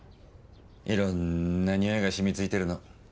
いろんなにおいが染みついてるの。